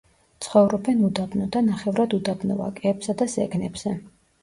ცხოვრობენ უდაბნო და ნახევრად უდაბნო ვაკეებსა და ზეგნებზე.